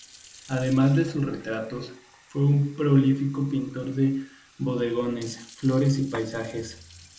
Además de sus retratos, fue un prolífico pintor de bodegones, flores y paisajes.